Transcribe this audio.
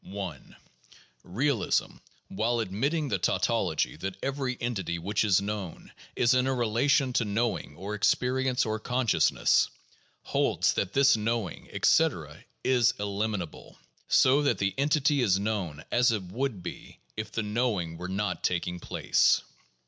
Realism, while admitting the tautology that every entity which is known is in relation to knowing or experience or consciousness, holds that this knowing, etc., is eliminable, so that the entity is known as it would be if the knowing were not taking place.